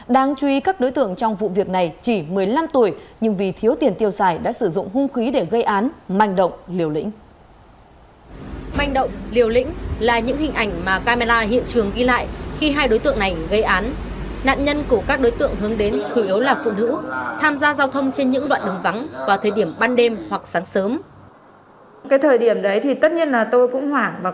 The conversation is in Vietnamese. đáng chú ý các đối tượng trong vụ việc này chỉ một mươi năm tuổi nhưng vì thiếu tiền tiêu xài đã sử dụng hung khí để gây án manh động liều lĩnh